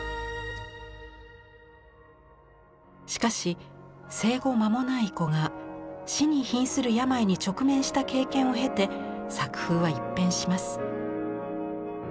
しかし生後間もない子が死にひんする病に直面した経験を経て作風は一変します。